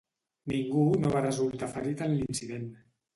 Ningú no va resultar ferit en l'incident.